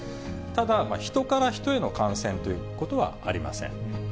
ただ、ヒトからヒトへの感染ということはありません。